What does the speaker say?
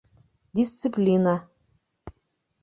Дисциплина